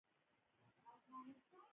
چې کوم سورتونه او کوم ايتونه مې ويلي دي.